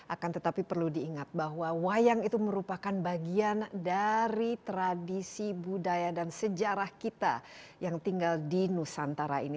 akan tetapi perlu diingat bahwa wayang itu merupakan bagian dari tradisi budaya dan sejarah kita yang tinggal di nusantara ini